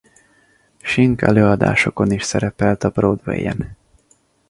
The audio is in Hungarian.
Sink előadásokon is szerepelt a Broadwayen.